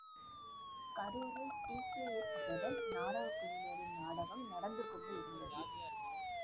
கரூரில் TKS., brothers நாடகக் குழுவினரின்நாடகம் நடந்து கொண்டு இருந்தது.